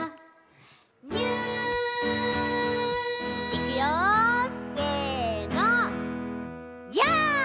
いくよせの。